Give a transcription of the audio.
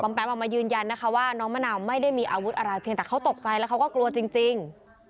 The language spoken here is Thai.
แป๊บออกมายืนยันนะคะว่าน้องมะนาวไม่ได้มีอาวุธอะไรเพียงแต่เขาตกใจแล้วเขาก็กลัวจริง